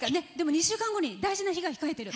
２週間後に大事な日が控えている。